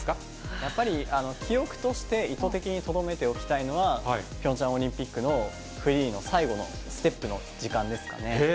やっぱり、記憶として意図的にとどめておきたいのは、ピョンチャンオリンピックのフリーの最後のステップの時間ですかね。